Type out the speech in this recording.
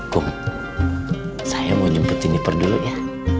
kum saya mau jemput jeniper dulu ya